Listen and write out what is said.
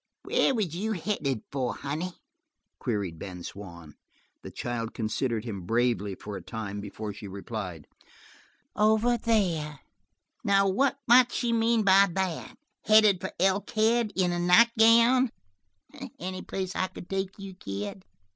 "Where was you headed for, honey?" queried Ben Swann. The child considered him bravely for a time before she replied. "Over there." "Over there? Now what might she mean by that? Headed for Elkhead in a nightgown? Any place I could take you, kid?"